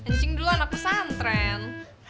ncing dulu anak pesantren